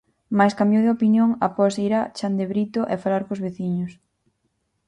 Mais cambiou de opinión após ir a Chandebrito e falar cos veciños.